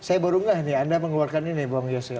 saya baru ngeh nih anda mengeluarkan ini nih bung yose